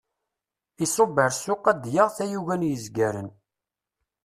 Iṣubb ar ssuq ad d-yaɣ tayuga n yezgaren.